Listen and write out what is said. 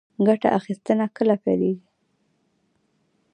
ګټه اخیستنه کله پیلیږي؟